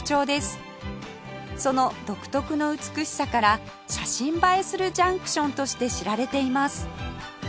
その独特の美しさから写真映えするジャンクションとして知られています